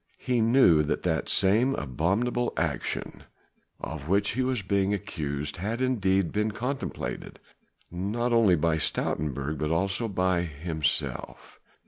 He knew that that same abominable action of which he was being accused had indeed been contemplated not only by Stoutenburg but also by himself.